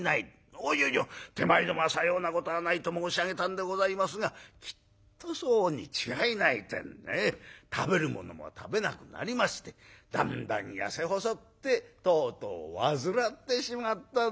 あっいやいや手前どもはさようなことはないと申し上げたんでございますがきっとそうに違いないてんでね食べるものも食べなくなりましてだんだん痩せ細ってとうとう患ってしまったんでございましてね。